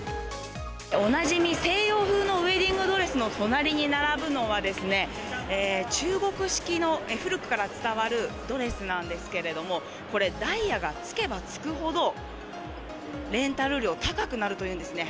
おなじみ西洋風のウエディングドレスの隣に並ぶのは、中国式の、古くから伝わるドレスなんですけれども、これ、ダイヤがつけばつくほど、レンタル料、高くなるというんですね。